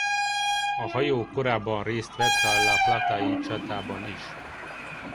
A hajó korábban részt vett a La Plata-i csatában is.